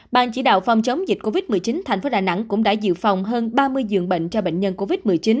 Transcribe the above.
ban chỉ đạo phòng chống dịch covid một mươi chín thành phố đà nẵng cũng đã dự phòng hơn ba mươi dường bệnh cho bệnh nhân covid một mươi chín